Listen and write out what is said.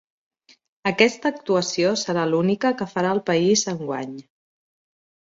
Aquesta actuació serà l’única que farà al país enguany.